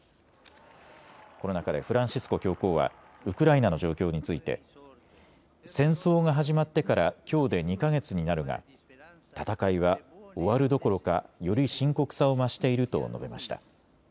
この中でフランシスコ教皇はウクライナの状況について戦争が始まってからきょうで２か月になるが、戦いは終わるどころかより深刻さを増していると述べました。